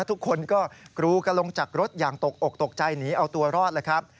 ทุกคนก็กรูกันลงจากรถอย่างตกอกตกใจหนีเอาตัวรอดเลยครับ